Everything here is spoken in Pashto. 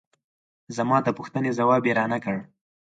زما د پوښتنې ځواب یې را نه کړ.